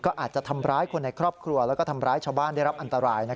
ก็อาจจะทำร้ายคนในครอบครัวแล้วก็ทำร้ายชาวบ้านได้รับอันตราย